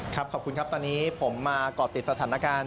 ขอบคุณครับตอนนี้ผมมาก่อติดสถานการณ์